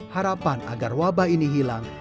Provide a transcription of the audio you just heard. harapan agar wabah ini hilang